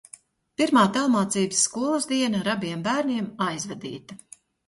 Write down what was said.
Pirmā tālmācības skolas diena ar abiem bērniem aizvadīta.